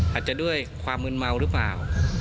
อาจจะด้วยความมืนเมาหรือเปล่า